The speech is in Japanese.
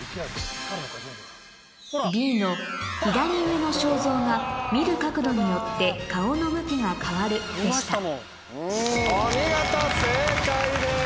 Ｂの「左上の肖像が見る角度によって顔の向きが変わる」でしたお見事正解です。